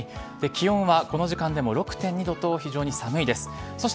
気温はこの時間でも６．２度と非常に寒いです。